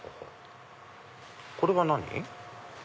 これが何？